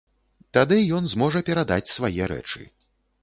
Тады ён зможа перадаць свае рэчы.